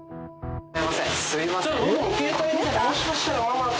すいません。